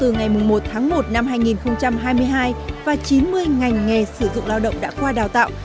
ngày một tháng một năm hai nghìn hai mươi hai và chín mươi ngành nghề sử dụng lao động đã qua đào tạo